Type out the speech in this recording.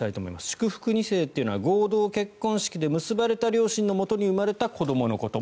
祝福２世というのは合同結婚式で結ばれた両親のもとに生まれた子どものこと。